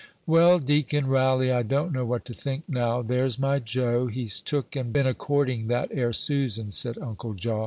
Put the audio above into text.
"Well, deacon, railly I don't know what to think now: there's my Joe, he's took and been a courting that 'ere Susan," said Uncle Jaw.